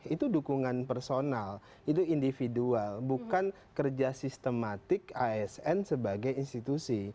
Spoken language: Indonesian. itu dukungan personal itu individual bukan kerja sistematik asn sebagai institusi